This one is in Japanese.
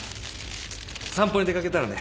散歩に出かけたらね